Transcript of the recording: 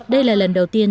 đây là lần đầu tiên